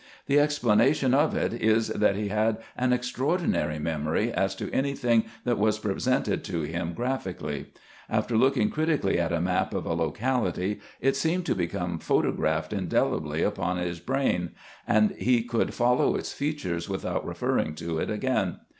The explanation of it is that he had an extraordinary memory as to any thing that was presented to him graphically. After looking critically at a map of a locality, it seemed to become photographed indelibly upon his brain, and he could follow its features without referring to it again.